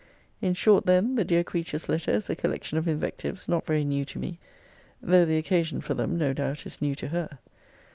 In short, then, the dear creature's letter is a collection of invectives not very new to me: though the occasion for them, no doubt is new to her.